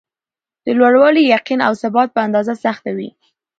د لوړوالي ،یقین او ثبات په اندازه سخته وي.